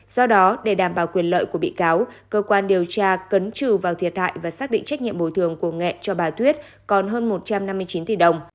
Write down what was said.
do đó để đảm bảo quyền lợi của bị cáo cơ quan điều tra cấn trừ vào thiệt hại và xác định trách nhiệm bồi thường của nghẹ cho bà tuyết còn hơn một trăm năm mươi chín tỷ đồng